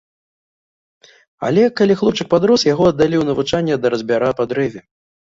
Але, калі хлопчык падрос, яго аддалі ў навучанне да разьбяра па дрэве.